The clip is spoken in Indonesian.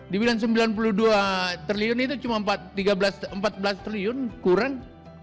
dibilang sembilan puluh dua triliun itu cuma empat belas triliun kurang